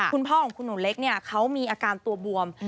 คุณพ่อของคุณหนูเล็กเนี่ยเขามีอาการตัวบวม